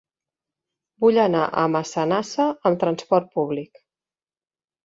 Vull anar a Massanassa amb transport públic.